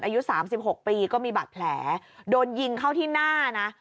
อายุ๓๖ปีก็มีบาดแผลโดนยิงเข้าที่หน้านะ